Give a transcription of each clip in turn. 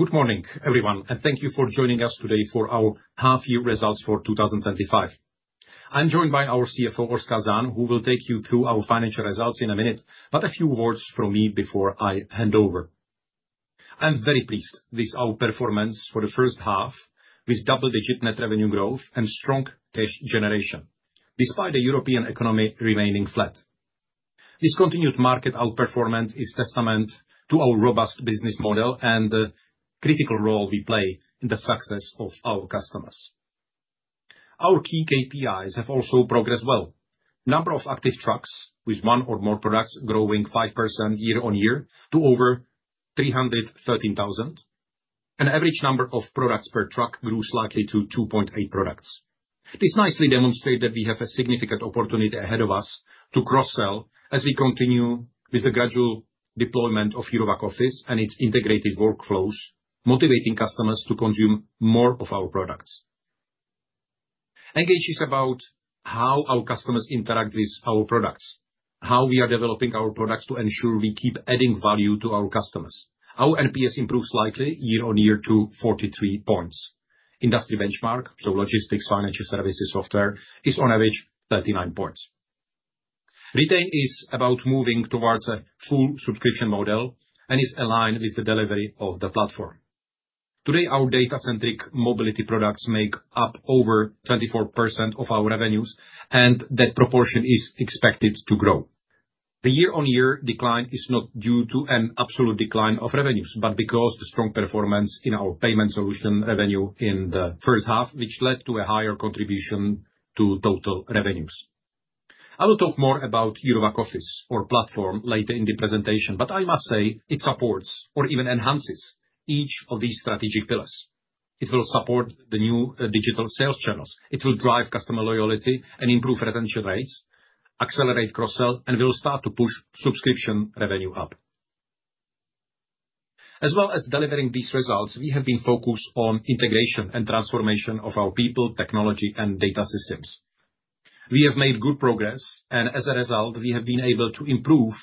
Good morning, everyone, and thank you for joining us today for our half year results for 2025. I'm joined by our CFO, Oskar Zahn, who will take you through our financial results in a minute, but a few words from me before I hand over. I'm very pleased with our performance for the first half with double digit net revenue growth and strong cash generation, despite the European economy remaining flat. This continued market outperformance is testament to our robust business model and the critical role we play in the success of our customers. Our key KPIs have also progressed well. Number of active trucks with one or more products growing 5% year on year to over 313,000. An average number of products per truck grew slightly to 2.8 products. This nicely demonstrate that we have a significant opportunity ahead of us to cross sell as we continue with the gradual deployment of Herovac Office and its integrated workflows, motivating customers to consume more of our products. Engage is about how our customers interact with our products, how we are developing our products to ensure we keep adding value to our customers, how NPS improved slightly year on year to 43 points, industry benchmark, so logistics, financial services, software is on average 39 points. Retail is about moving towards a full subscription model and is aligned with the delivery of the platform. Today, our data centric mobility products make up over 24% of our revenues and that proportion is expected to grow. The year on year decline is not due to an absolute decline of revenues, but because the strong performance in our payment solution revenue in the first half, which led to a higher contribution to total revenues. I will talk more about Eurovac Office or platform later in the presentation, but I must say it supports or even enhances each of these strategic pillars. It will support the new digital sales channels. It will drive customer loyalty and improve retention rates, accelerate cross sell and will start to push subscription revenue up. As well as delivering these results, we have been focused on integration and transformation of our people, technology and data systems. We have made good progress and as a result, we have been able to improve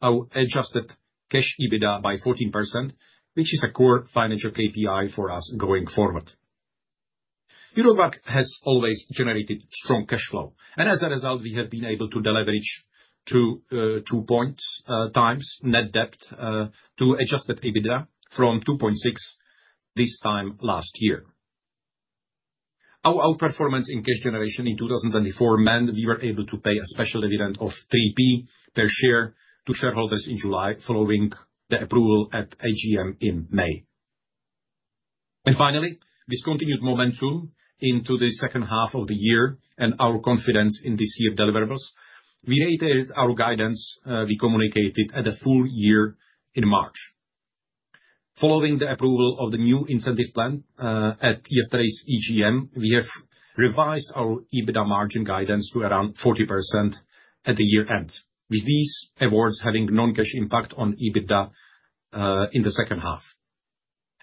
our adjusted cash EBITDA by 14%, which is a core financial KPI for us going forward. Eurovac has always generated strong cash flow. And as a result, we have been able to deleverage to 2.x net debt to adjusted EBITDA from 2.6x this time last year. Our outperformance in cash generation in 2024 meant that we were able to pay a special dividend of 3 per share to shareholders in July following the approval at AGM in May. And finally, this continued momentum into the second half of the year and our confidence in this year deliverables, we rated our guidance we communicated at the full year in March. Following the approval of the new incentive plan at yesterday's EGM, we have revised our EBITDA margin guidance to around 40% at the year end, with these awards having non cash impact on EBITDA in the second half.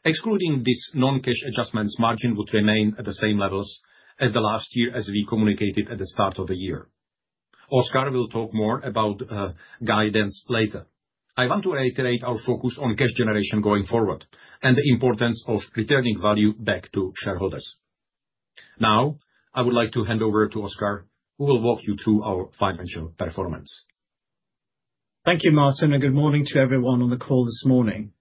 Excluding these non cash adjustments, margin would remain at the same levels as the last year as we communicated at the start of the year. Oscar will talk more about guidance later. I want to reiterate our focus on cash generation going forward and the importance of returning value back to shareholders. Now I would like to hand over to Oskar, who will walk you through our financial performance. Thank you, Martin, and good morning to everyone on the call this morning.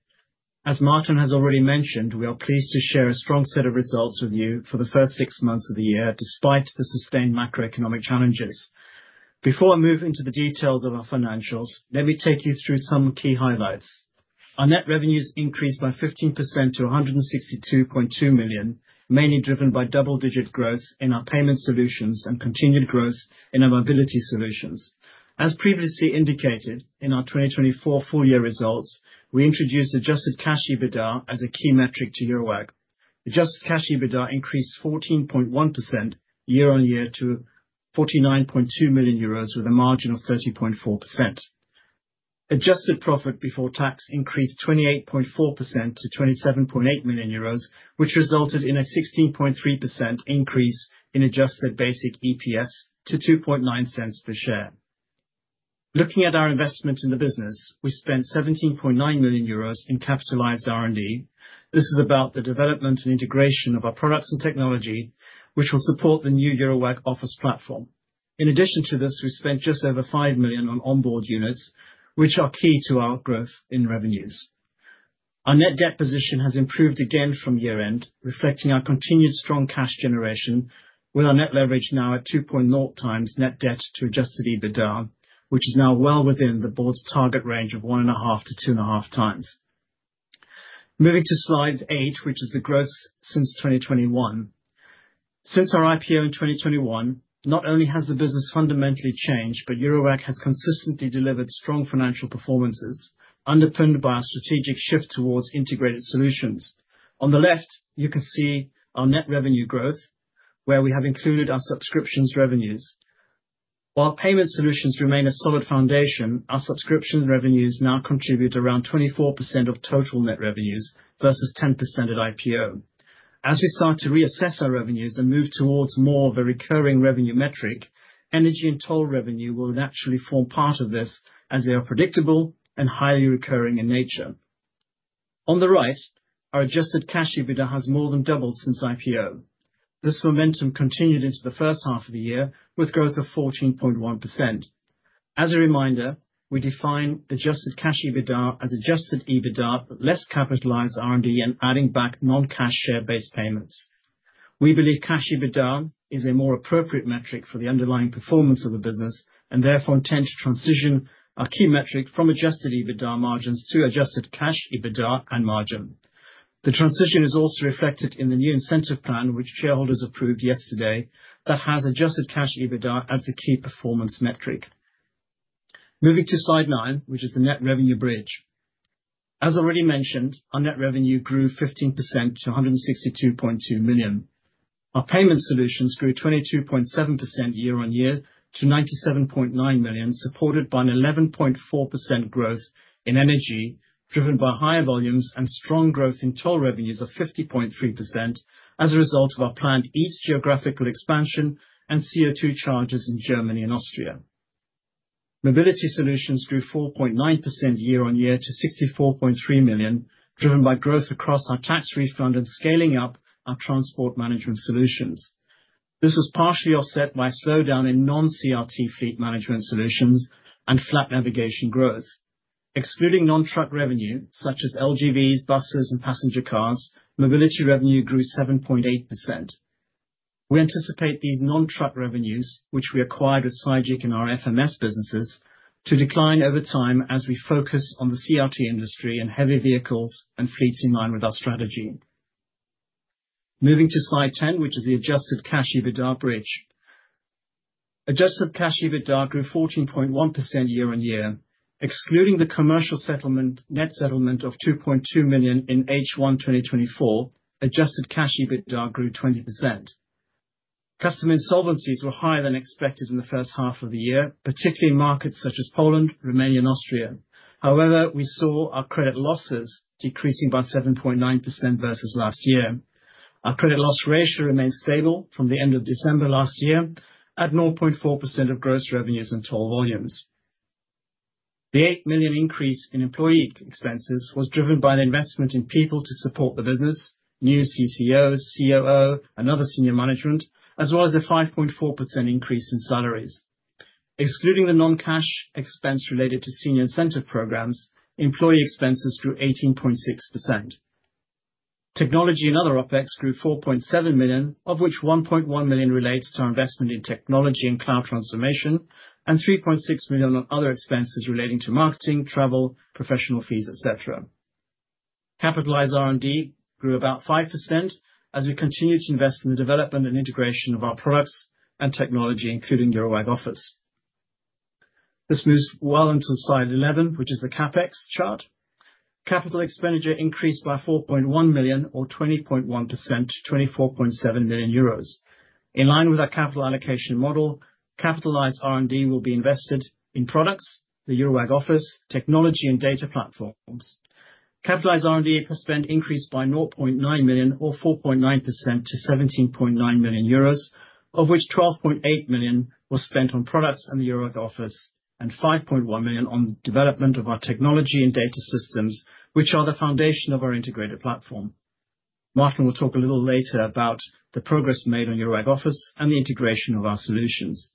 As Martin has already mentioned, we are pleased to share a strong set of results with you for the first six months of the despite the sustained macroeconomic challenges. Before I move into the details of our financials, let me take you through some key highlights. Our net revenues increased by 15% to 162,200,000.0, mainly driven by double digit growth in our payment solutions and continued growth in our mobility solutions. As previously indicated in our 2024 full year results, we introduced adjusted cash EBITDA as a key metric to EuroWag. Adjusted cash EBITDA increased 14.1% year on year to €49,200,000 with a margin of 30.4%. Adjusted profit before tax increased 28.4% to €27,800,000, which resulted in a 16.3% increase in adjusted basic EPS to 2.9¢ per share. Looking at our investment in the business, we spent €17,900,000 in capitalized R and D. This is about the development and integration of our products and technology, which will support the new EuroWag office platform. In addition to this, we spent just over 5 million on onboard units, which are key to our growth in revenues. Our net debt position has improved again from year end, reflecting our continued strong cash generation with our net leverage now at two point zero times net debt to adjusted EBITDA, which is now well within the board's target range of 1.5 to 2.5x. Moving to Slide eight, which is the growth since 2021. Since our IPO in 2021, not only has the business fundamentally changed, but Eurowac has consistently delivered strong financial performances, underpinned by our strategic shift towards integrated solutions. On the left, you can see our net revenue growth, where we have included our subscriptions revenues. While payment solutions remain a solid foundation, our subscription revenues now contribute around 24% of total net revenues versus 10% at IPO. As we start to reassess our revenues and move towards more of a recurring revenue metric, energy and toll revenue will naturally form part of this as they are predictable and highly recurring in nature. On the right, our adjusted cash EBITDA has more than doubled since IPO. This momentum continued into the first half of the year with growth of 14.1%. As a reminder, we define adjusted cash EBITDA as adjusted EBITDA but less capitalized R and D and adding back noncash share based payments. We believe cash EBITDA is a more appropriate metric for the underlying performance of the business and therefore intend to transition our key metric from adjusted EBITDA margins to adjusted cash EBITDA and margin. The transition is also reflected in the new incentive plan, which shareholders approved yesterday, that has adjusted cash EBITDA as the key performance metric. Moving to Slide nine, which is the net revenue bridge. As already mentioned, our net revenue grew 15% to 162,200,000. Our payment solutions grew 22.7% year on year to 97,900,000.0, supported by an 11.4% growth in energy, driven by higher volumes and strong growth in toll revenues of 50.3% as a result of our planned East geographical expansion and CO2 charges in Germany and Austria. Mobility Solutions grew 4.9% year on year to 64,300,000.0, driven by growth across our tax refund and scaling up our transport management solutions. This was partially offset by a slowdown in non CRT fleet management solutions and flat navigation growth. Excluding nontruck revenue such as LGVs, buses and passenger cars, mobility revenue grew 7.8%. We anticipate these non truck revenues, which we acquired with SiGeck in our FMS businesses, to decline over time as we focus on the CRT industry and heavy vehicles and fleets in line with our strategy. Moving to Slide 10, which is the adjusted cash EBITDA bridge. Adjusted cash EBITDA grew 14.1% year on year. Excluding the commercial settlement net settlement of $2,200,000 in H1 twenty twenty four, adjusted cash EBITDA grew 20%. Customer insolvencies were higher than expected in the first half of the year, particularly in markets such as Poland, Romania and Austria. However, we saw our credit losses decreasing by 7.9% versus last year. Our credit loss ratio remained stable from the December at 0.4% of gross revenues and toll volumes. The $8,000,000 increase in employee expenses was driven by an investment in people to support the business, new CCOs, COO and other senior management, as well as a 5.4% increase in salaries. Excluding the non cash expense related to senior incentive programs, employee expenses grew 18.6%. Technology and other OpEx grew 4,700,000.0, of which 1,100,000.0 relates to our investment in technology and cloud transformation and 3,600,000.0 on other expenses relating to marketing, travel, professional fees, etcetera. Capitalized R and D grew about 5% as we continue to invest in the development and integration of our products and technology, including Eurowag offers. This moves well into Slide 11, which is the CapEx chart. Capital expenditure increased by 4,100,000.0 or 20.1% to 24,700,000.0 euros. In line with our capital allocation model, capitalized R and D will be invested in products, the Eurowag office, technology and data platforms. Capitalized R and D per spend increased by 900,000.0 or 4.9% to 17,900,000.0 euros, of which 12,800,000.0 was spent on products and the Eurowag Office and 5,100,000.0 on development of our technology and data systems, which are the foundation of our integrated platform. Martin will talk a little later about the progress made on Eurowag Office and the integration of our solutions.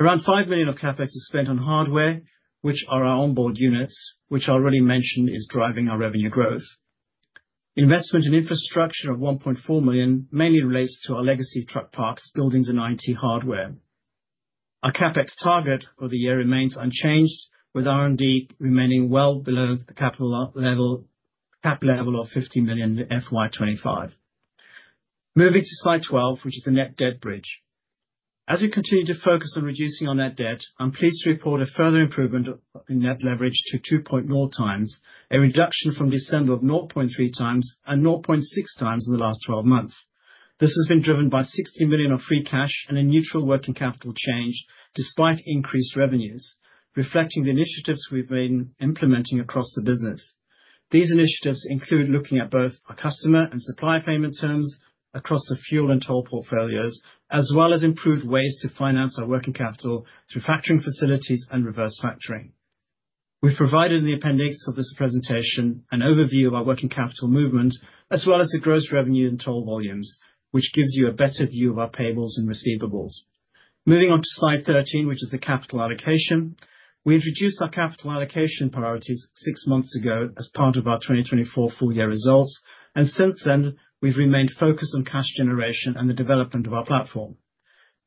Around 5,000,000 of CapEx is spent on hardware, which are our onboard units, which I already mentioned is driving our revenue growth. Investment in infrastructure of $1,400,000 mainly relates to our legacy truck parks, Buildings and IT hardware. Our CapEx target for the year remains unchanged, with R and D remaining well below the capital level of $50,000,000 in FY 2025. Moving to Slide 12, which is the net debt bridge. As we continue to focus on reducing our net debt, I'm pleased to report a further improvement in net leverage to two point zero times, a reduction from December of 0.3 times and 0.6 times in the last twelve months. This has been driven by 60,000,000 of free cash and a neutral working capital change despite increased revenues, reflecting the initiatives we've been implementing across the business. These initiatives include looking at both our customer and supply payment terms across the fuel and toll portfolios as well as improved ways to finance our working capital through factoring facilities and reverse factoring. We've provided in the appendix of this presentation an overview of our working capital movement as well as the gross revenue and toll volumes, which gives you a better view of our payables and receivables. Moving on to slide 13, which is the capital allocation. We introduced our capital allocation priorities six months ago as part of our 2024 full year results, and since then, we've remained focused on cash generation and the development of our platform.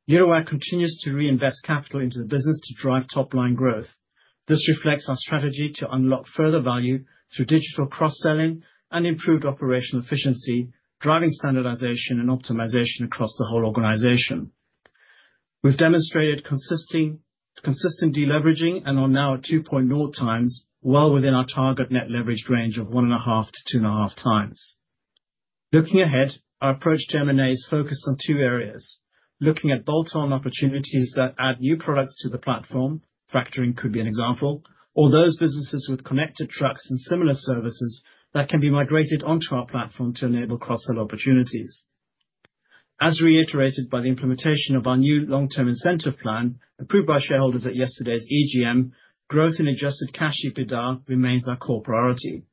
EuroWare continues to reinvest capital into the business to drive top line growth. This reflects our strategy to unlock further value through digital cross selling and improved operational efficiency, driving standardization and optimization across the whole organization. We've demonstrated consistent deleveraging and are now at 2.0x, well within our target net leverage range of 1.5x to 2.5x. Looking ahead, our approach to M and A is focused on two areas: looking at bolt on opportunities that add new products to the platform, factoring could be an example, or those businesses with connected trucks and similar services that can be migrated onto our platform to enable cross sell opportunities. As reiterated by the implementation of our new long term incentive plan approved by shareholders at yesterday's EGM, growth in adjusted cash EBITDA remains our core priority.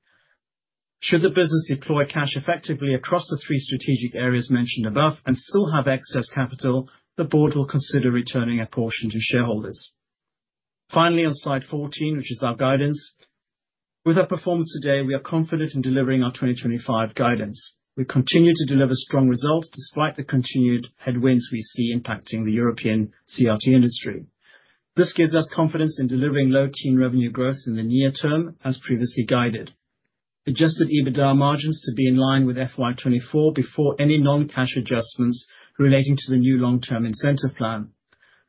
Should the business deploy cash effectively across the three strategic areas mentioned above and still have excess capital, the Board will consider returning a portion to shareholders. Finally, on Slide 14, which is our guidance. With our performance today, we are confident in delivering our 2025 guidance. We continue to deliver strong results despite the continued headwinds we see impacting the European CRT industry. This gives us confidence in delivering low teen revenue growth in the near term as previously guided. Adjusted EBITDA margins to be in line with FY 2024 before any noncash adjustments relating to the new long term incentive plan.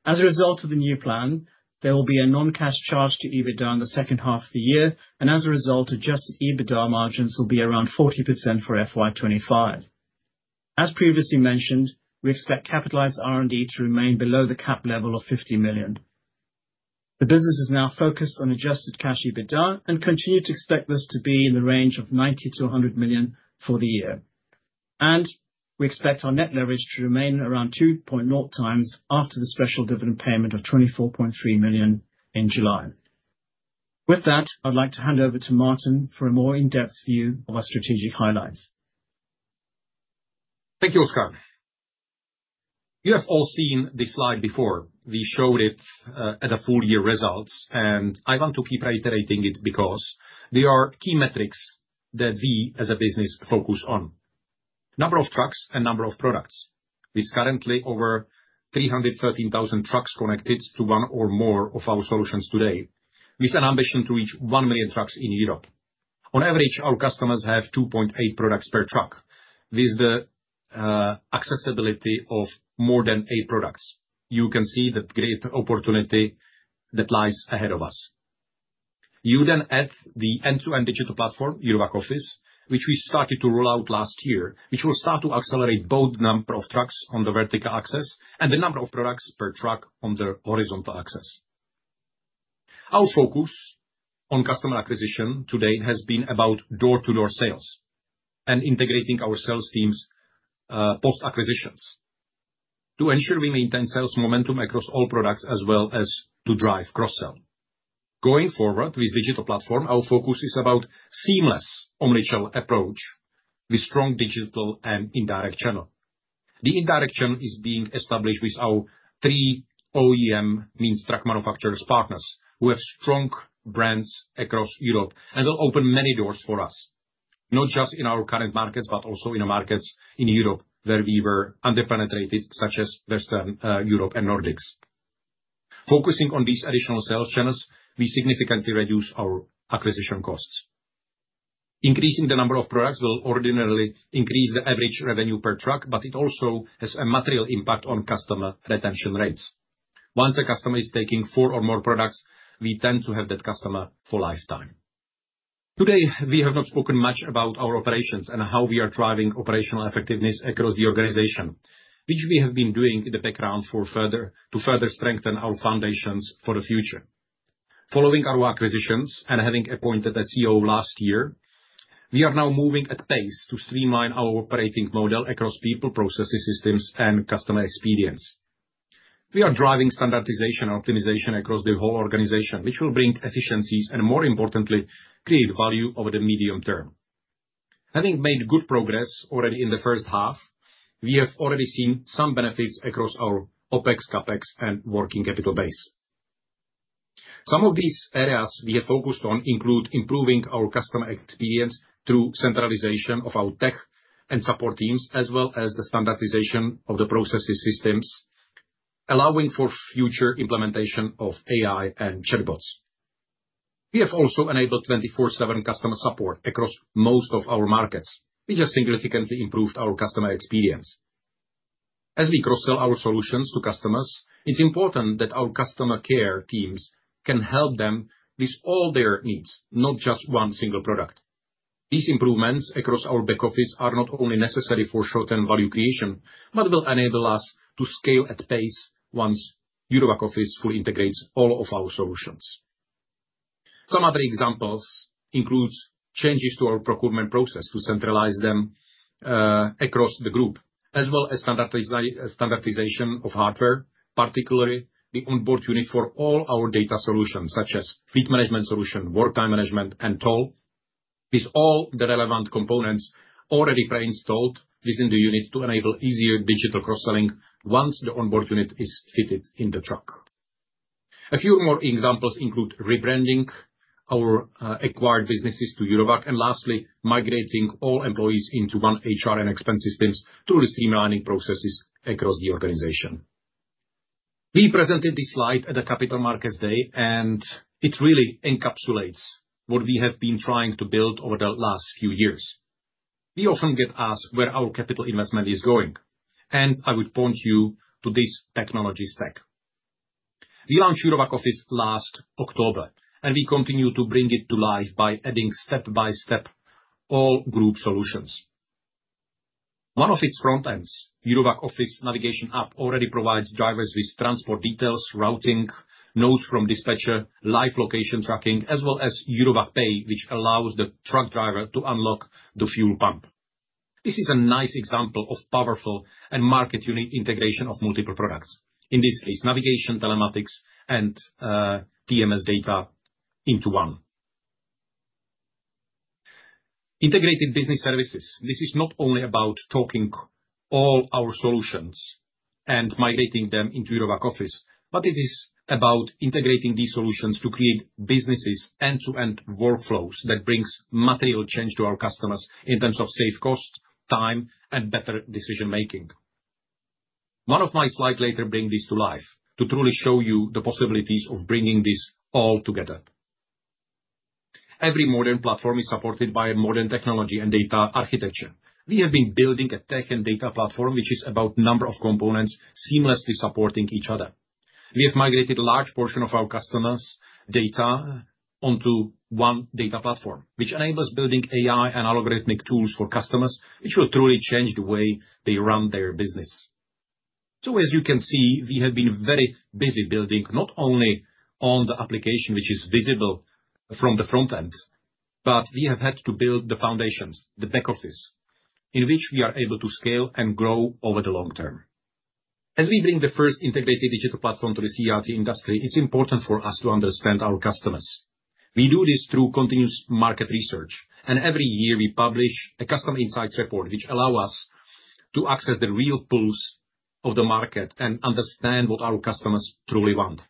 As a result of the new plan, there will be a noncash charge to EBITDA in the second half of the year. And as a result, adjusted EBITDA margins will be around 40% for FY 2025. As previously mentioned, we expect capitalized R and D to remain below the cap level of 50,000,000 adjusted cash EBITDA and continue to expect this to be in the range of 90,000,000 to $100,000,000 for the year. And we expect our net leverage to remain around two point zero times after the special dividend payment of $24,300,000 in July. With that, I'd like to hand over to Maarten for a more in-depth view of our strategic highlights. Thank you, Oscar. You have all seen this slide before. We showed it at a full year results and I want to keep reiterating it because they are key metrics that we as a business focus on. Number of trucks and number of products. There's currently over 313,000 trucks connected to one or more of our solutions today. We set ambition to reach 1,000,000 trucks in Europe. On average, our customers have 2.8 products per truck. This is the accessibility of more than eight products. You can see that great opportunity that lies ahead of us. You then add the end to end digital platform, Eurovac Office, which we started to roll out last year, which will start to accelerate both number of trucks on the vertical axis and the number of products per truck on the horizontal axis. Our focus on customer acquisition today has been about door to door sales and integrating our sales teams post acquisitions. To ensure we maintain sales momentum across all products as well as to drive cross sell. Going forward with digital platform, our focus is about seamless omni channel approach with strong digital and indirect channel. The indirect channel is being established with our three OEM means truck manufacturers partners with strong brands across Europe and will open many doors for us, not just in our current markets, but also in the markets in Europe where we were underpenetrated such as Western Europe and Nordics. Focusing on these additional sales channels, we significantly reduced our acquisition costs. Increasing the number of products will ordinarily increase the average revenue per truck, but it also has a material impact on customer retention rates. Once a customer is taking four or more products, we tend to have that customer for lifetime. Today, we have not spoken much about our operations and how we are driving operational effectiveness across the organization, which we have been doing in the background for further to further strengthen our foundations for the future. Following our acquisitions and having appointed as CEO last year, we are now moving at pace to streamline our operating model across people, processes, systems and customer experience. We are driving standardization optimization across the whole organization, which will bring efficiencies and more importantly, create value over the medium term. Having made good progress already in the first half, we have already seen some benefits across our OpEx, CapEx and working capital base. Some of these areas we have focused on include improving our customer experience through centralization of our tech and support teams as well as the standardization of the processes systems, allowing for future implementation of AI and chatbots. We have also enabled twenty four seven customer support across most of our markets. We just significantly improved our customer experience. As we cross sell our solutions to customers, it's important that our customer care teams can help them with all their needs, not just one single product. These improvements across our back office are not only necessary for short term value creation, but will enable us to scale at pace once EuroBack Office fully integrates all of our solutions. Some other examples includes changes to our procurement process to centralize them across the group, as well as standardization of hardware, particularly the onboard unit for all our data solutions such as fleet management solution, work time management and toll with all the relevant components already pre installed within the unit to enable easier digital cross selling once the onboard unit is fitted in the truck. A few more examples include rebranding our acquired businesses to Eurovac and lastly, migrating all employees into one HR and expense systems through the streamlining processes across the organization. We presented this slide at the Capital Markets Day and it really encapsulates what we have been trying to build over the last few years. We often get asked where our capital investment is going and I would point you to this technology stack. We launched Euroback Office last October, and we continue to bring it to life by adding step by step all group solutions. One of its front ends, Euroback Office navigation app already provides drivers with transport details, routing, notes from dispatcher, live location tracking, as well as Euroback Pay, which allows the truck driver to unlock the fuel pump. This is a nice example of powerful and market unique integration of multiple products. In this case, navigation, telematics and DMS data into one. Integrated business services. This is not only about talking all our solutions and migrating them into your back office, but it is about integrating these solutions to create businesses end to end workflows that brings material change to our customers in terms of safe cost, time, and better decision making. One of my slides later bring this to life to truly show you the possibilities of bringing this all together. Every modern platform is supported by modern technology and data architecture. We have been building a tech and data platform which is about number of components seamlessly supporting each other. We have migrated a large portion of our customers' data onto one data platform, which enables building AI and algorithmic tools for customers, which will truly change the way they run their business. So as you can see, we have been very busy building not only on the application which is visible from the front end, but we have had to build the foundations, the back office, in which we are able to scale and grow over the long term. As we bring the first integrated digital platform to the CRT industry, it's important for us to understand our customers. We do this through continuous market research. And every year, we publish a customer insights report, which allow us to access the real pools of the market and understand what our customers truly want.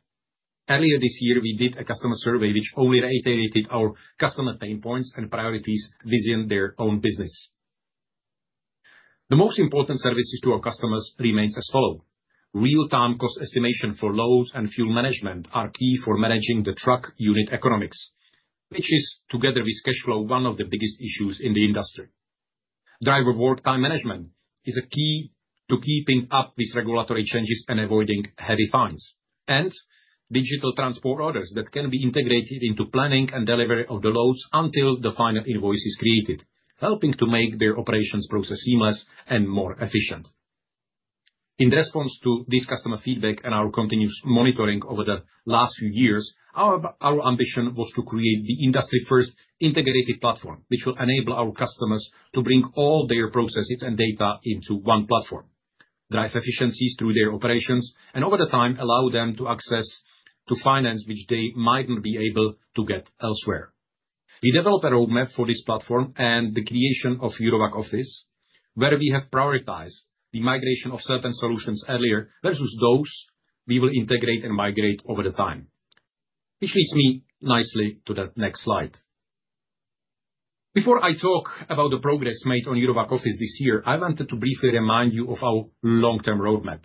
Earlier this year, we did a customer survey which only reiterated our customer pain points and priorities within their own business. The most important services to our customers remains as follow. Real time cost estimation for loads and fuel management are key for managing the truck unit economics, which is together with cash flow one of the biggest issues in the industry. Driver work time management is a key to keeping up with regulatory changes and avoiding heavy fines. And digital transport orders that can be integrated into planning and delivery of the loads until the final invoice is created, helping to make their operations process seamless and more efficient. In response to this customer feedback and our continuous monitoring over the last few years, our ambition was to create the industry first integrated platform, which will enable our customers to bring all their processes and data into one platform, drive efficiencies through their operations and over the time allow them to access to finance which they might not be able to get elsewhere. We developed a roadmap for this platform and the creation of Eurovac Office, where we have prioritized the migration of certain solutions earlier versus those we will integrate and migrate over the time, which leads me nicely to the next slide. Before I talk about the progress made on Eurovac Office this year, I wanted to briefly remind you of our long term roadmap.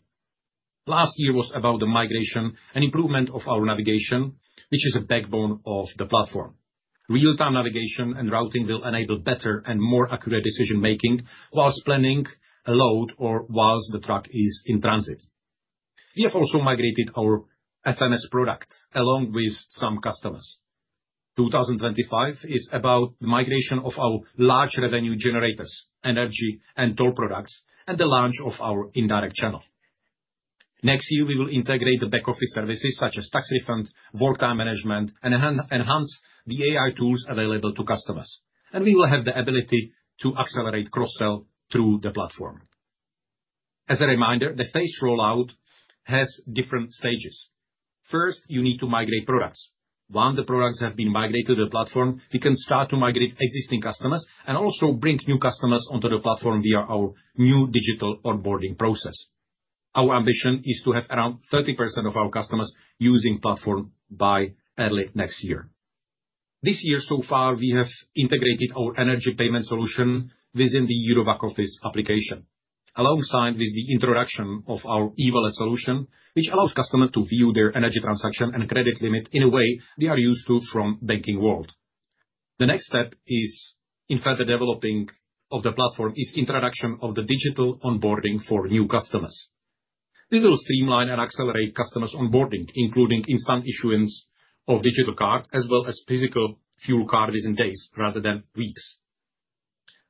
Last year was about the migration and improvement of our navigation, which is a backbone of the platform. Real time navigation and routing will enable better and more accurate decision making whilst planning a load or whilst the truck is in transit. We have also migrated our FMS product along with some customers. 2025 is about migration of our large revenue generators, energy and toll products and the launch of our indirect channel. Next year, will integrate the back office services such as tax refund, vortex management and enhance the AI tools available to customers. And we will have the ability to accelerate cross sell through the platform. As a reminder, the phased rollout has different stages. First, you need to migrate products. Once the products have been migrated to the platform, we can start to migrate existing customers and also bring new customers onto the platform via our new digital onboarding process. Our ambition is to have around 30% of our customers using Platform by early next year. This year so far, we have integrated our energy payment solution within the Euroback Office application, alongside with the introduction of our e Wallet solution, which allows customer to view their energy transaction and credit limit in a way they are used to from banking world. The next step is in further developing of the platform is introduction of the digital onboarding for new customers. This will streamline and accelerate customers onboarding including instant issuance of digital card as well as physical few card within days rather than weeks.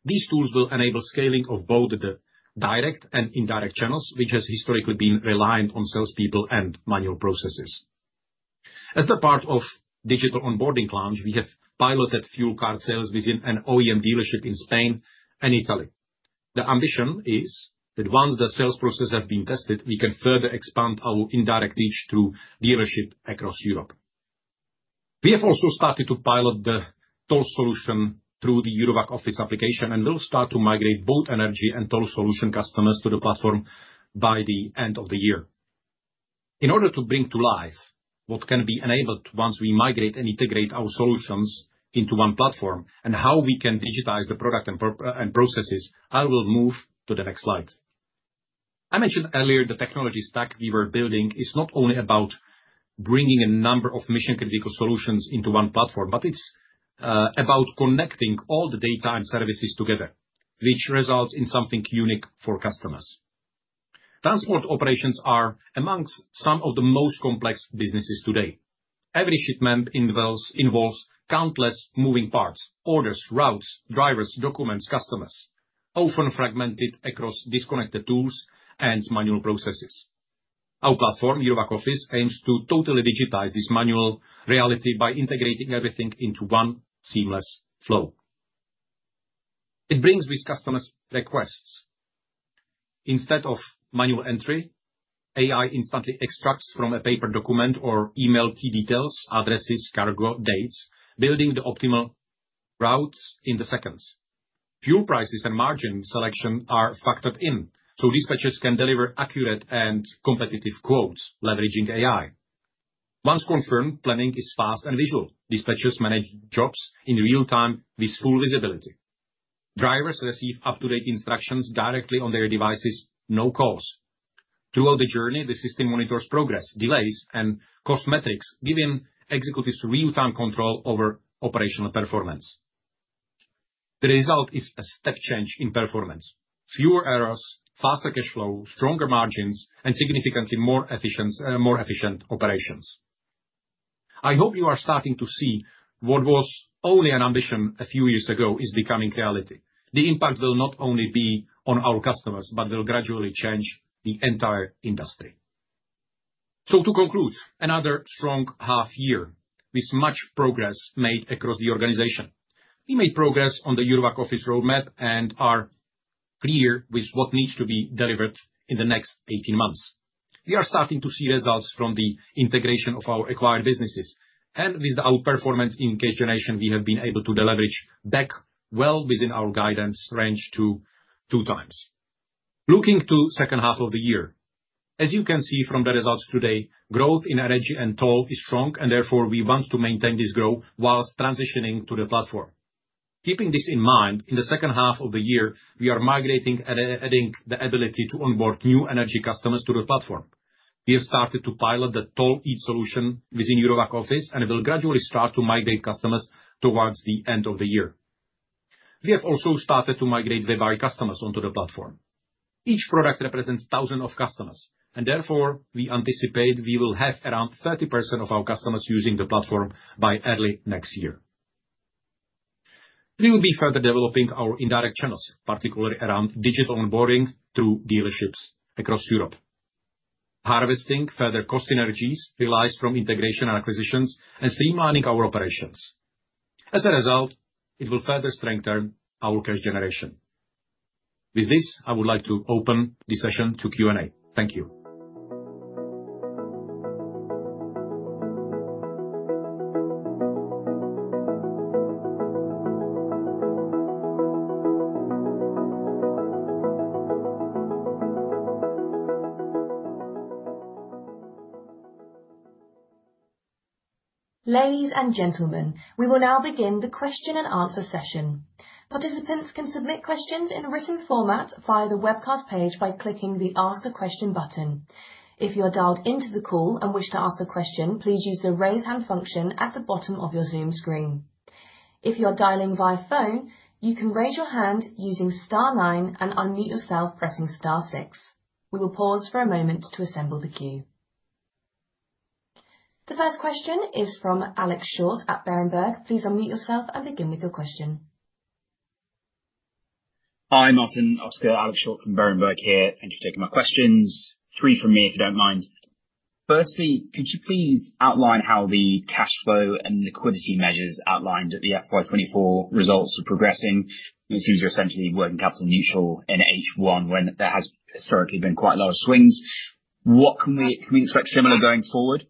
These tools will enable scaling of both the direct and indirect channels, which has historically been reliant on salespeople and manual processes. As the part of digital onboarding launch, we have piloted fuel card sales within an OEM dealership in Spain and Italy. The ambition is that once the sales process have been tested, we can further expand our indirect reach to dealership across Europe. We have also started to pilot the toll solution through the Eurovac Office application and will start to migrate both energy and toll solution customers to the platform by the end of the year. In order to bring to life what can be enabled once we migrate and integrate our solutions into one platform and how we can digitize the product and processes. I will move to the next slide. I mentioned earlier the technology stack we were building is not only about bringing a number of mission critical solutions into one platform, but it's about connecting all the data and services together, which results in something unique for customers. Transport operations are amongst some of the most complex businesses today. Every shipment involves involves countless moving parts, orders, routes, drivers, documents, customers, often fragmented across disconnected tools and manual processes. Our platform, Euroback Office, aims to totally digitize this manual reality by integrating everything into one seamless flow. It brings with customers requests. Instead of manual entry, AI instantly extracts from a paper document or email key details, addresses, cargo dates, building the optimal routes in the seconds. Fuel prices and margin selection are factored in, so dispatchers can deliver accurate and competitive quotes leveraging AI. Once confirmed, planning is fast and visual. Dispatchers manage jobs in real time with full visibility. Drivers receive up to date instructions directly on their devices, no calls. Throughout the journey, the system monitors progress, delays, and cosmetics giving executives real time control over operational performance. The result is a step change in performance, fewer errors, faster cash flow, stronger margins, and significantly more efficient more efficient operations. I hope you are starting to see what was only an ambition a few years ago is becoming reality. The impact will not only be on our customers, but will gradually change the entire industry. So to conclude, another strong half year with much progress made across the organization. We made progress on the Eurovac office roadmap and are clear with what needs to be delivered in the next eighteen months. We are starting to see results from the integration of our acquired businesses. And with our performance in Cage Generation, we have been able to deleverage back well within our guidance range to 2x. Looking to second half of the year. As you can see from the results today, growth in Energy and Toll is strong and therefore we want to maintain this growth whilst transitioning to the platform. Keeping this in mind, in the second half of the year, we are migrating and adding the ability to onboard new Energy customers to the platform. We have started to pilot the toll heat solution within Eurovac office and it will gradually start to migrate customers towards the end of the year. We have also started to migrate Webari customers onto the platform. Each product represents thousands of customers and therefore we anticipate we will have around 30% of our customers using the platform by early next year. We will be further developing our indirect channels, particularly around digital onboarding to dealerships across Europe. Harvesting further cost synergies relies from integration and acquisitions and streamlining our operations. As a result, it will further strengthen our cash generation. With this, I would like to open the session to Q and A. Thank you. Ladies and gentlemen, we will now begin the question and answer session. Participants can submit questions in a written format via the webcast page by clicking the Ask a Question button. If you are dialed into the call and wish to ask a question, please use the raise hand function at the bottom of your Zoom screen. If you are dialing by phone, bottom The first question is from Alex Short at Berenberg. Please unmute yourself and begin with your question. Martin, Oscar. Alex Short from Berenberg here. Three from me, if you don't mind. Firstly, could you please outline how the cash flow and liquidity measures outlined at the FY 'twenty four results are progressing? It seems you're essentially working capital neutral in H1 when there has historically been quite low swings. What can we expect similar going forward?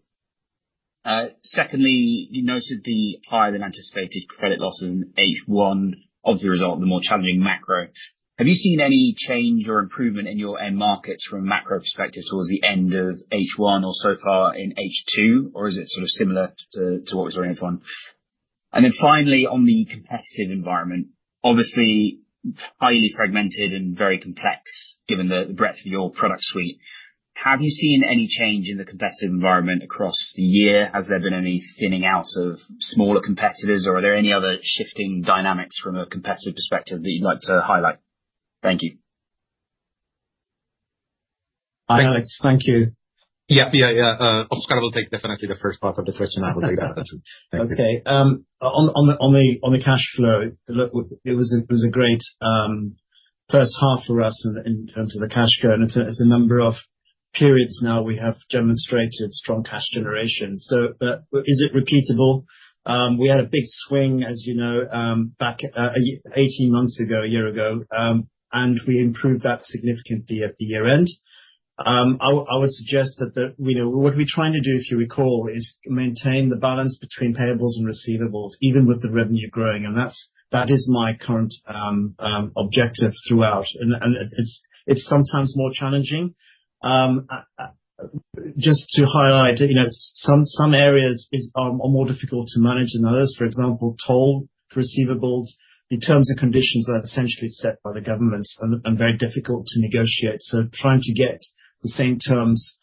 Secondly, you noted the higher than anticipated credit losses in H1 of the result, the more challenging macro. Have you seen any change or improvement in your end markets from a macro perspective towards the end of H one or so far in H two? Or is it sort of similar to to what was your end of one? And then finally, on the competitive environment, obviously, highly fragmented and very complex given the the breadth of your product suite. Have you seen any change in the competitive environment across the year? Has there been any thinning out Or are there any other shifting dynamics from a competitive perspective that you'd like to highlight? Yes. Oscar will take definitely the first part of the question. I will take that. Okay. The cash flow, look, it was a great first half for us in terms of the cash burn. It's a number of periods now we have demonstrated strong cash generation. So is it repeatable? We had a big swing, as you know, back eighteen months ago, a year ago, and we improved that significantly at the year end. I suggest that the what we're trying to do, if you recall, is maintain the balance between payables and receivables even with the revenue growing, and that's that is my current objective throughout. And and it's it's sometimes more challenging. Just to highlight, you know, some some areas is are more difficult to manage than others. For example, toll receivables, the terms and conditions are essentially set by the governments and and very difficult to negotiate. So trying to get the same terms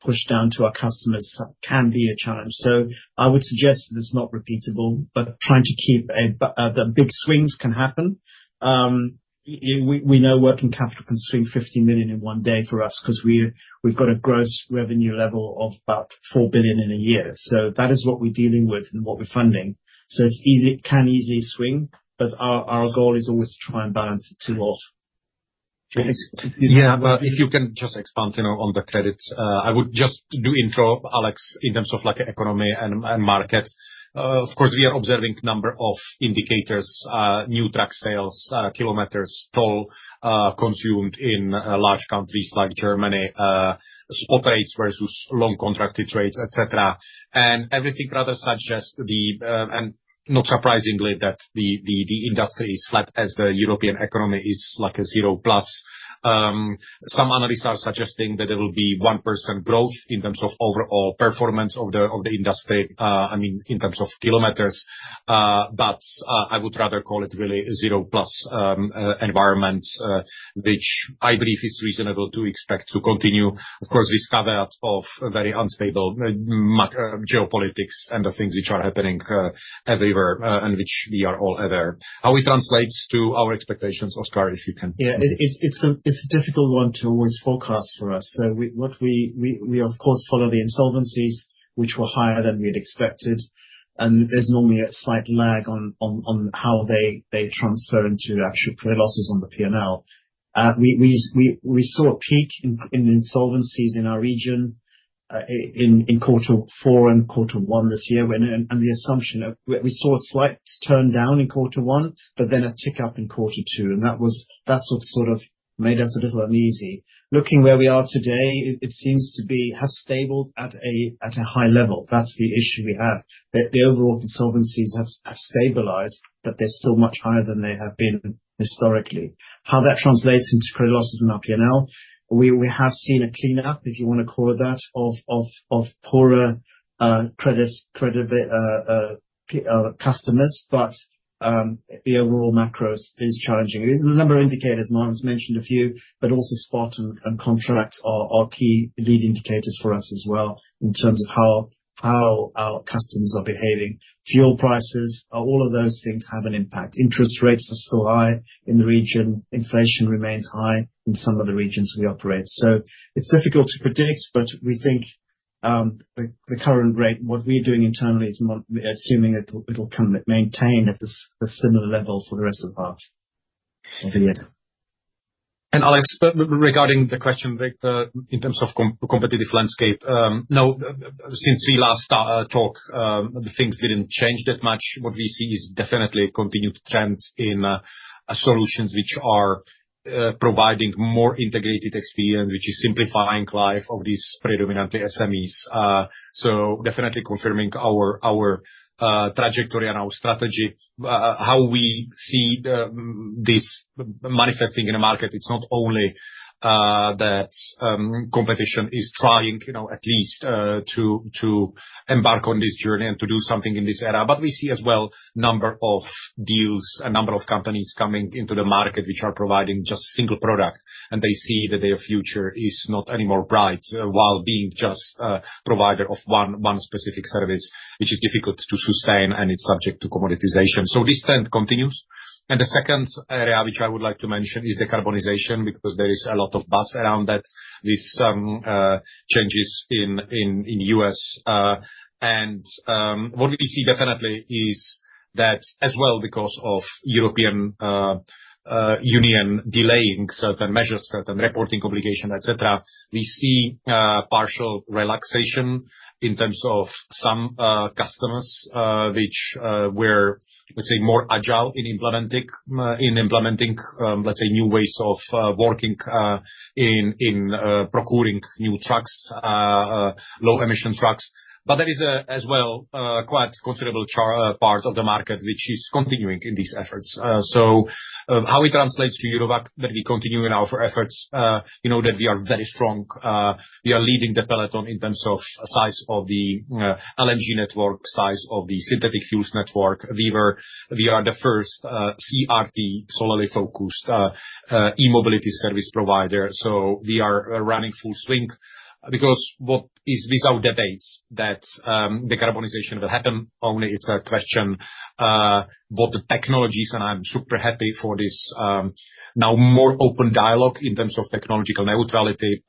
pushed down to our customers can be a challenge. So I would suggest that it's not repeatable, but trying to keep a the big swings can happen. We we know working capital can swing 50,000,000 in one day for us because we we've got a gross revenue level of about 4,000,000,000 in a year. So that is what we're dealing with and what we're funding. So it's easy can easily swing, but our our goal is always to try and balance the two off. Yeah. Well, if you can just expand, you know, on the credits. I would just do intro, Alex, in terms of like economy and markets. Of course, we are observing number of indicators, new truck sales, kilometers toll consumed in large countries like Germany, spot rates versus long contracted rates, etcetera. And everything rather such as the and not surprisingly that the the the industry is flat as the European economy is like a zero plus. Some analysts are suggesting that there will be 1% growth in terms of overall performance of the of the industry, I mean, in terms of kilometers. But I would rather call it really zero plus environments, which I believe is reasonable to expect to continue. Of course, we scabbat of a very unstable macro geopolitics and the things which are happening everywhere and which we are all aware. How it translates to our expectations, Oscar, if you can Yeah. It it's it's a it's a difficult one to always forecast for us. So we what we we we, of course, follow the insolvencies, which were higher than we had expected, and there's normally a slight lag on on on how they they transfer into actual losses on the p and l. We saw a peak in insolvencies in our region in quarter four and quarter one this year and the assumption of we saw a slight turn down in quarter one, but then a tick up in quarter two. And that was that's what sort of made us a little uneasy. Looking where we are today, it it seems to be have stable at a at a high level. That's the issue we have. The the overall insolvencies have have stabilized, but they're still much higher than they have been historically. How that translates into credit losses in our p and l, we we have seen a cleanup, if you wanna call it that, of of of poorer credit credit customers, but the overall macros is challenging. There's a number of indicators. Maran's mentioned a few, but also spot and and contracts are are key lead indicators for us as well in terms of how how our customers are behaving. Fuel prices, all of those things have an impact. Interest rates are still high in the region. Inflation remains high in some of the regions we operate. So it's difficult to predict, but we think the the current rate, what we're doing internally is assuming it will it will come at maintain at the the similar level for the rest of the half. And, Alex, regarding the question, Greg, in terms of competitive landscape, no. Since we last talk, the things didn't change that much. What we see is definitely continued trends in solutions which are providing more integrated experience, which is simplifying life of these predominantly SMEs. So definitely confirming our our trajectory and our strategy. How we see the this manifesting in the market, it's not only that competition is trying, you know, at least to to embark on this journey and to do something in this era. But we see as well number of deals, a number of companies coming into the market which are providing just single product and they see that their future is not anymore bright while being just provider of one one specific service, which is difficult to sustain and is subject to commoditization. So this trend continues. And the second area which I would like to mention is the carbonization because there is a lot of buzz around that with some changes in in in US. And what we see definitely is that as well because of European Union delaying certain measures, certain reporting obligation, etcetera. We see partial relaxation in terms of some customers which were, let's say, more agile in implementing in implementing, let's say, new ways of working in in procuring new trucks, low emission trucks. But there is a as well, quite considerable part of the market, which is continuing in these efforts. So how it translates to Euroback that we continue in our efforts, you know, that we are very strong. We are leading the Peloton in terms of size of the LNG network, size of the synthetic fuels network. We were we are the first CRT, solely focused e mobility service provider. So we are running full swing because what is without debates that the carbonization will happen only it's a question both the technologies, and I'm super happy for this now more open dialogue in terms of technological neutrality.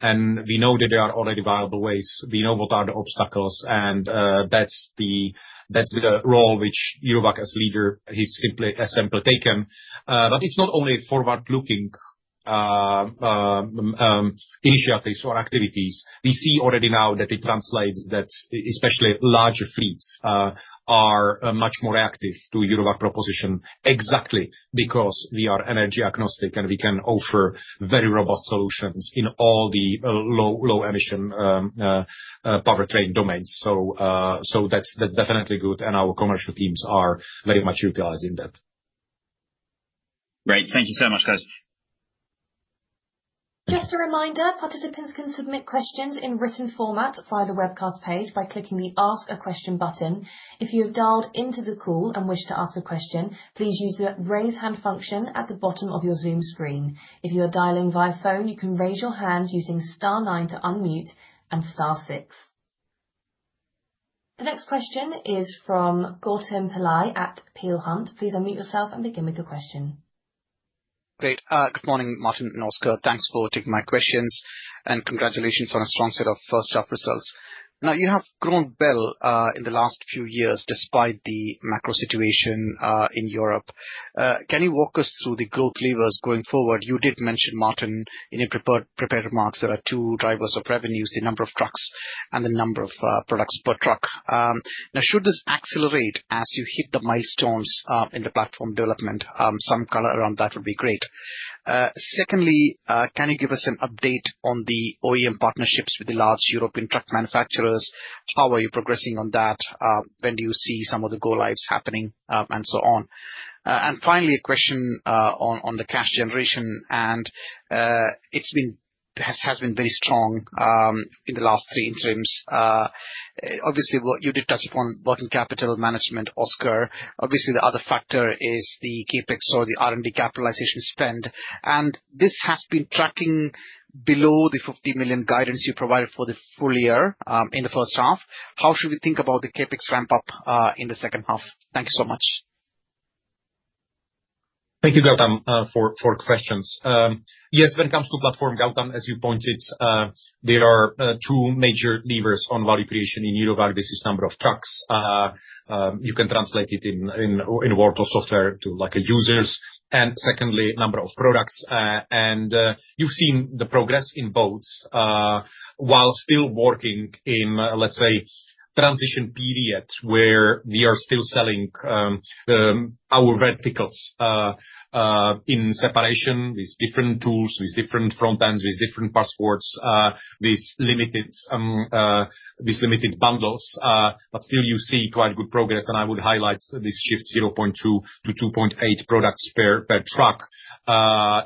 And we know that there are already viable ways. We know what are the obstacles, and that's the that's the role which Yorubaq as leader, he simply has simply taken. But it's not only forward looking initiatives or activities. We see already now that it translates that especially larger fleets are much more active to Eurovark proposition exactly because we are energy agnostic, and we can offer very robust solutions in all the low low emission powertrain domains. So so that's that's definitely good, our commercial teams are very much utilizing that. Right. Thank you so much, guys. Just a reminder, participants can submit questions in written format via the webcast page by clicking the ask a question button. If you have dialed into the call and wish to ask a question, please use the raise hand function at the bottom of your Zoom screen. The next question is from Gautam Pillai at Peel Hunt. Please unmute yourself and begin with your question. Great. Good morning, Martin and Oscar. Thanks for taking my questions and congratulations on a strong set of first half results. Now you have grown well in the last few years despite the macro situation in Europe. Can you walk us through the growth levers going forward? You did mention, Martin, in your prepared remarks, there are two drivers of revenues, the number of trucks and the number of products per truck. Now should this accelerate as you hit the milestones in the platform development? Some color around that would be great. Secondly, can you give us an update on the OEM partnerships with the large European truck manufacturers? How are you progressing on that? When do you see some of the go lives happening and so on? And finally, a question on the cash generation and it's been has been very strong in the last three interims. Obviously, what you did touch upon working capital management, Oscar. Obviously, the other factor is the CapEx or the R and D capitalization spend. And this has been tracking below the $50,000,000 guidance you provided for the full year in the first half. How should we think about the CapEx ramp up in the second half? Thank you so much. Thank you, Gautam, for questions. Yes. When it comes to platform, Gautam, as you pointed, there are two major levers on value creation in Eurovag. This is number of trucks. You can translate it in in in a world of software to, like, end users. And secondly, number of products. And you've seen the progress in both while still working in, let's say, transition period where we are still selling our verticals in separation with different tools, with different front ends, with different passports, these limited these limited bundles. But still, you see quite good progress, and I would highlight this shift 0.2 to 2.8 products per per truck.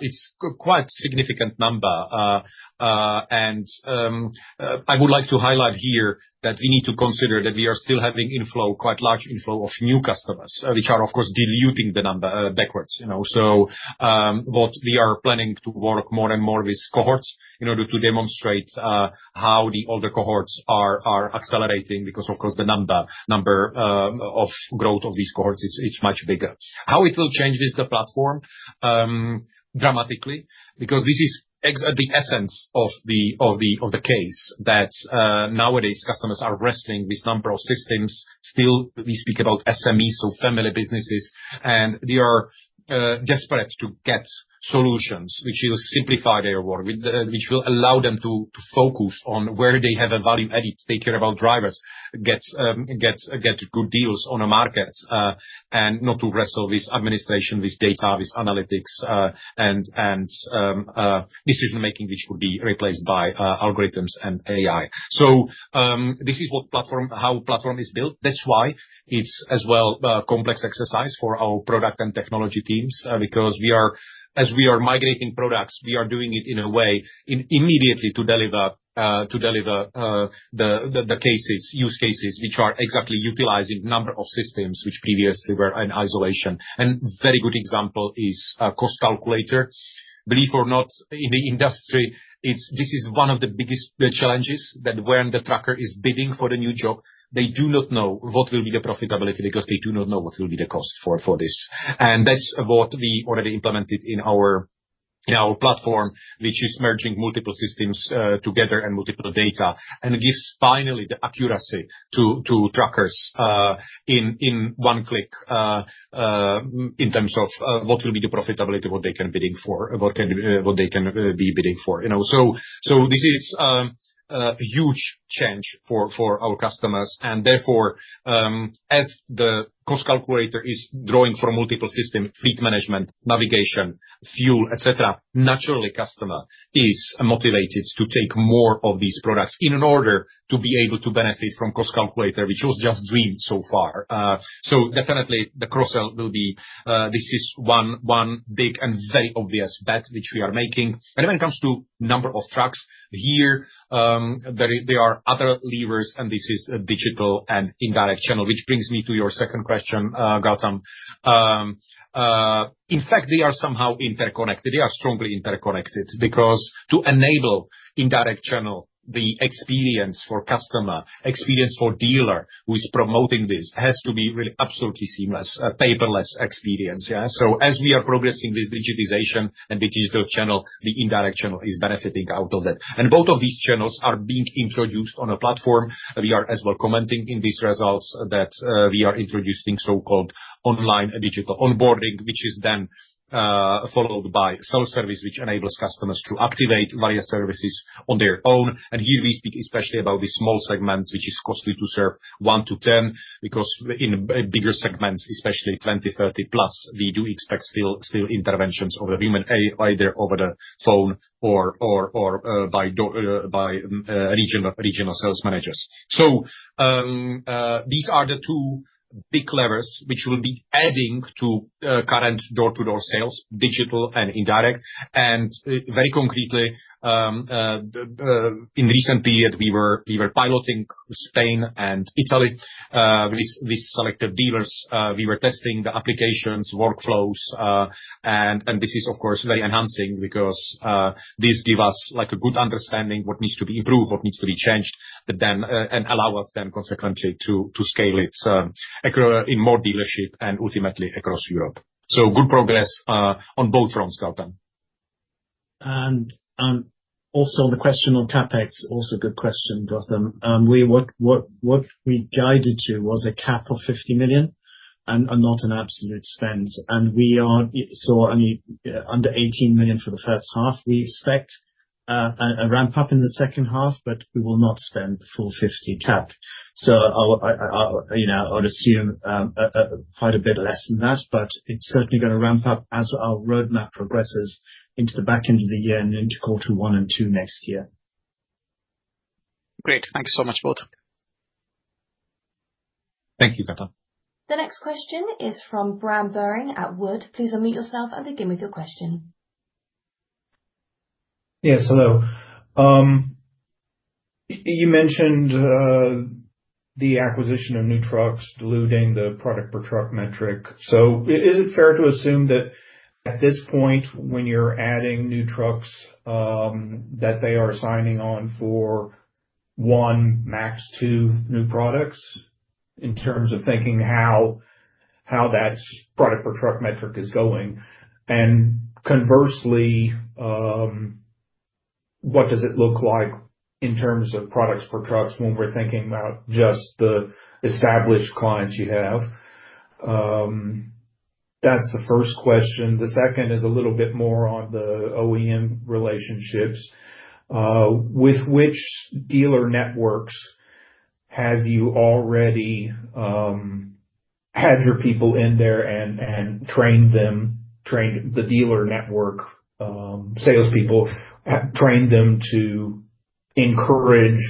It's quite significant number. And I would like to highlight here that we need to consider that we are still having inflow quite large inflow of new customers, which are, of course, diluting the number backwards. You know? So what we are planning to work more and more with cohorts in order to demonstrate how the older cohorts are are accelerating because, of course, the number number of growth of these cohorts is is much bigger. How it will change with the platform? Dramatically, Because this is ex at the essence of the of the of the case that nowadays customers are wrestling with number of systems. Still, we speak about SMEs or family businesses, and they are desperate to get solutions which will simplify their work with which will allow them to to focus on where they have a value added, take care about drivers, gets gets get good deals on the market, and not to wrestle with administration, with data, with analytics, and and decision making which could be replaced by algorithms and AI. So this is what platform how platform is built. That's why it's as well complex exercise for our product and technology teams because we are as we are migrating products, we are doing it in a way in immediately to deliver to deliver the the the cases use cases, which are exactly utilizing number of systems which previously were in isolation. And very good example is cost calculator. Believe or not, in the industry, it's this is one of the biggest challenges that when the tracker is bidding for the new job, they do not know what will be the profitability because they do not know what will be the cost for for this. And that's what we already implemented in our in our platform, which is merging multiple systems together and multiple data. And it gives finally the accuracy to to trackers in in one click in terms of what will be the profitability, what they can bidding for, what can what they can be bidding for. You know? So so this is huge change for for our customers. And, therefore, as the cost calculator is drawing from multiple system, fleet management, navigation, fuel, etcetera, naturally, customer is motivated to take more of these products in an order to be able to benefit from cost calculator, which was just dreamed so far. So definitely, the cross sell will be this is one one big and very obvious bet which we are making. And when it comes to number of trucks, here, there there are other levers, and this is a digital and indirect channel, which brings me to your second question, Gautam. In fact, they are somehow interconnected. They are strongly interconnected because to enable indirect channel, the experience for customer, experience for dealer who is promoting this has to be really absolutely seamless, a paperless experience. Yeah? So as we are progressing this digitization and the digital channel, the indirect channel is benefiting out of it. And both of these channels are being introduced on a platform. We are as well commenting in these results that we are introducing so called online digital onboarding, which is then followed by self-service, which enables customers to activate via services on their own. And here we speak especially about the small segments, which is costly to serve one to 10 because in bigger segments, especially twenty thirty plus, we do expect still still interventions over human a either over the phone or or or by by regional regional sales managers. So these are the two big levers which will be adding to current door to door sales, digital and indirect. And very concretely, in recent period, we were we were piloting Spain and Italy. We we selected dealers. We were testing the applications, workflows, and and this is, of course, very enhancing because this give us, like, a good understanding what needs to be improved, what needs to be changed, but then and allow us then consequently to to scale it in more dealership and ultimately across Europe. So good progress on both fronts, Gautam. And also, the question on CapEx, also a good question, Gautam. What we guided to was a cap of 50,000,000 and not an absolute spend. And we are so I mean, under $18,000,000 for the first half. We expect a ramp up in the second half, but we will not spend the full $50,000,000 cap. So I would assume quite a bit less than that, but it's certainly going to ramp up as our road map progresses into the back end of the year and into quarter one and '2 next year. The next question is from Bram Burring at Wood. Yes. You mentioned the acquisition of new trucks diluting the product per truck metric. So is it fair to assume that at this point, when you're adding new trucks, that they are signing on for one, max two new products in terms of thinking how that's product per truck metric is going. And conversely, what does it look like in terms of products per trucks when we're thinking about just the established clients you have? That's the first question. The second is a little bit more on the OEM relationships. With which dealer networks have you already had your people in there and and trained them trained the dealer network salespeople, trained them to encourage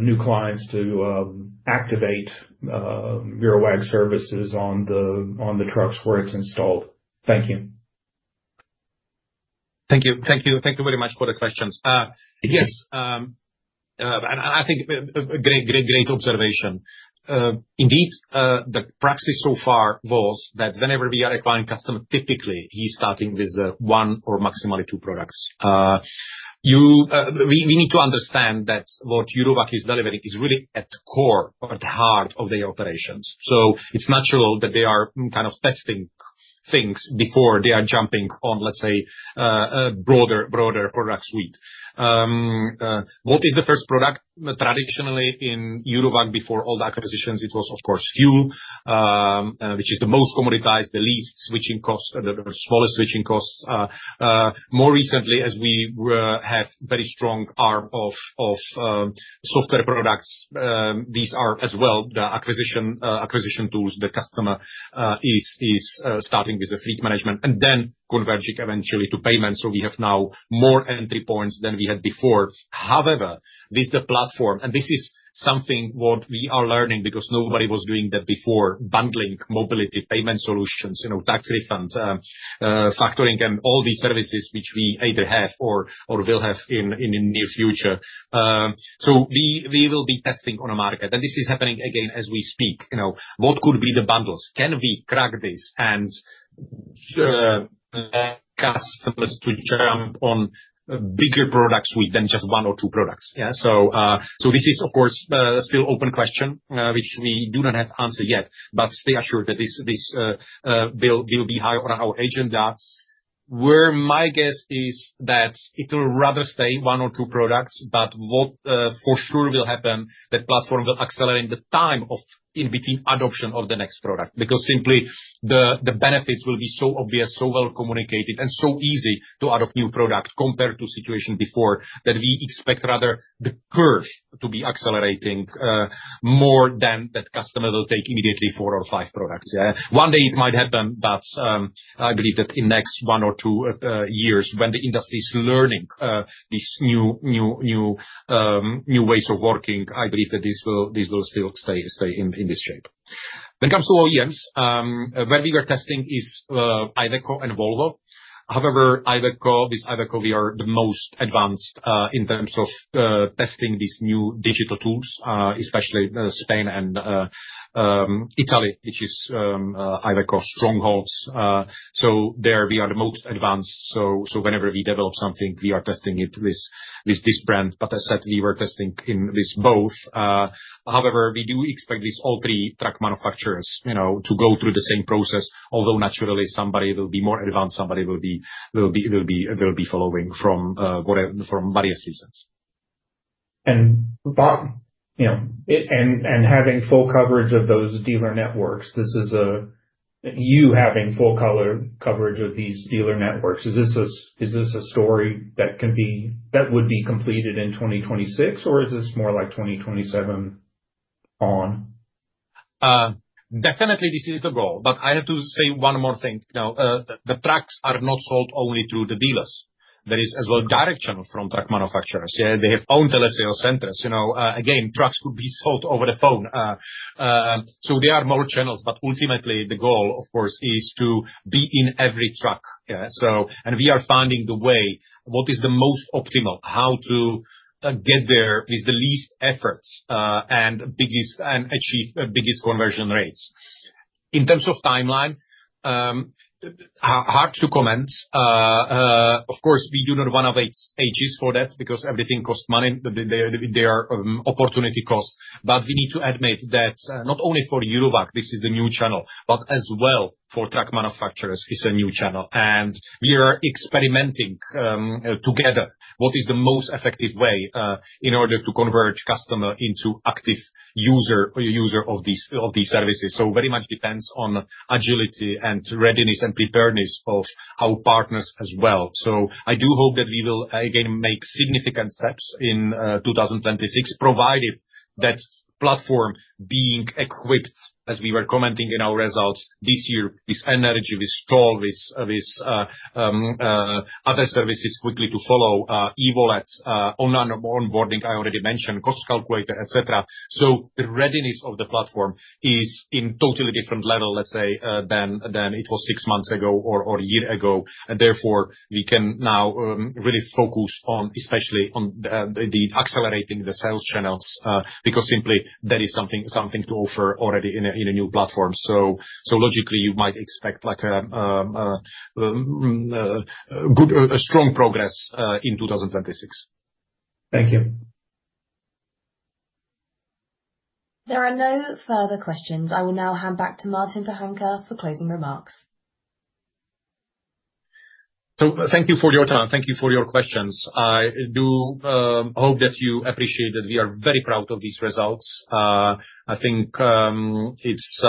new clients to activate VeriWag services on the trucks where it's installed? Thank you. Thank Thank you very much for the questions. Yes. And I think a great, great, great observation. Indeed, the proxy so far was that whenever we are acquiring custom, typically, he's starting with one or maximally two products. You we we need to understand that what Eurovac is delivering is really at core or at the heart of the operations. So it's natural that they are kind of testing things before they are jumping on, let's say, broader broader product suite. What is the first product traditionally in Eurovag before all the acquisitions? It was, of course, fuel, which is the most commoditized, the least switching cost, the smallest switching cost. More recently, as we were have very strong arm of of software products. These are as well the acquisition acquisition tools that customer is is starting with the fleet management and then converging eventually to payments. So we have now more entry points than we had before. However, with the platform and this is something what we are learning because nobody was doing that before, bundling mobility payment solutions, you know, tax refunds, factoring in all these services which we either have or or will have in in the near future. So we we will be testing on a market, and this is happening again as we speak. You know, what could be the bundles? Can we crack this and Sure. Customers to jump on bigger products within just one or two products. Yeah. So so this is, of course, still open question, which we do not have answer yet. But stay assured that this this bill bill will be higher on our agenda. Where my guess is that it will rather stay one or two products, but what for sure will happen, that platform will accelerate the time of in between adoption of the next product. Because simply, the the benefits will be so obvious, so well communicated, and so easy to add a new product compared to situation before that we expect rather the curve to be accelerating more than that customer will take immediately four or five products. Yeah. One day, it might happen, but I believe that in next one or two years when the industry is learning these new new new new ways of working, I believe that this will this will still stay stay in in this shape. When it comes to OEMs, where we were testing is either core and Volvo. However, either core this either core, we are the most advanced in terms of testing these new digital tools, especially Spain and Italy, which is either cost strongholds. So there, we are the most advanced. So so whenever we develop something, we are testing it to this this this brand. But as said, we were testing in this both. However, we do expect these all three track manufacturers, you know, to go through the same process, although naturally, somebody will be more advanced, somebody will be will be will be will be following from for various reasons. And Bob, and having full coverage of those dealer networks, this is a you having full coverage of these dealer networks. Is this a story that can be that would be completed in 2026? Or is this more like 2027 on? Definitely, this is the goal. But I have to say one more thing. Now the the tracks are not sold only through the dealers. There is as well direct channel from truck manufacturers. Yeah. They have owned telesales centers. You know? Again, trucks could be sold over the phone. So they are more channels, but ultimately, the goal, of course, is to be in every truck. Yeah. So and we are finding the way, what is the most optimal, how to get there with the least efforts and biggest and achieve biggest conversion rates. In terms of timeline, hard to comment. Of course, we do not wanna wait ages for that because everything cost money. They they are they are opportunity cost. But we need to admit that not only for Eurovac, this is the new channel, but as well for truck manufacturers, it's a new channel. And we are experimenting together what is the most effective way in order to converge customer into active user or user of these of these services. So very much depends on agility and readiness and preparedness of our partners as well. So I do hope that we will, again, make significant steps in 2026 provided that platform being equipped as we were commenting in our results this year with energy, stall, with with other services quickly to follow, e wallets, on onboarding, I already mentioned, cost calculator, etcetera. So the readiness of the platform is in totally different level, let's say, than than it was six months ago or or a year ago. And therefore, we can now really focus on, especially, on the the accelerating the sales channels because simply, that is something something to offer already in a in a new platform. So so logically, you might expect like a good or a strong progress in 02/1926. Thank you. There are no further questions. I will now hand back to Martin Vahanka for closing remarks. So thank you for your time. Thank you for your questions. I do hope that you appreciate that we are very proud of these results. I think it's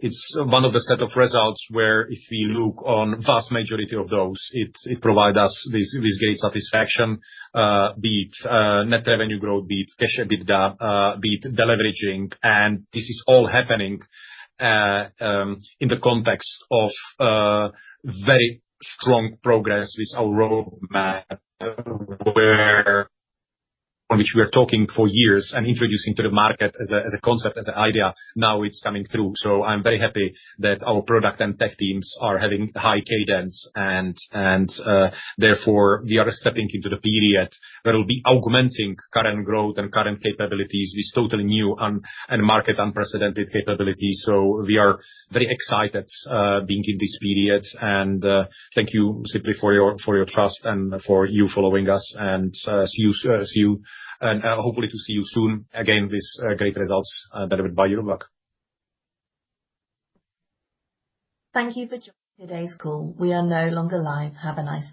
it's one of the set of results where if we look on vast majority of those, it's it provide us this this great satisfaction, beat net revenue growth, beat cash EBITDA, beat deleveraging, and this is all happening in the context of very strong progress with our road map where on which we are talking for years and introducing to the market as a as a concept, as an idea. Now it's coming through. So I'm very happy that our product and tech teams are having high cadence and and therefore, we are stepping into the period that will be augmenting current growth and current capabilities with total new and market unprecedented capabilities. So we are very excited being in this period. And thank you simply for your for your trust and for you following us. And see you see you and hopefully to see you soon again with great results delivered by your work. Thank you for joining today's call. We are no longer live. Have a nice